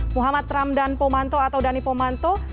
muhammad ramdan pomanto atau dhani pomanto